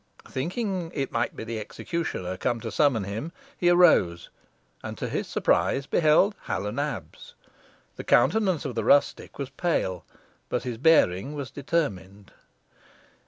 Thinking it might be the executioner come to summon him, he arose, and to his surprise beheld Hal o' Nabs. The countenance of the rustic was pale, but his bearing was determined.